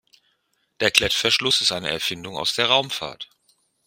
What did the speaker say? Der Klettverschluss ist eine Erfindung aus der Raumfahrt.